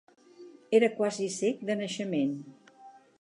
Era quasi cec de naixement.